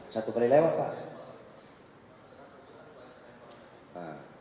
satu kali lewat pak